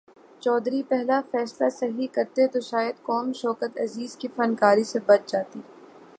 چودھری پہلا فیصلہ صحیح کرتے تو شاید قوم شوکت عزیز کی فنکاری سے بچ جاتی۔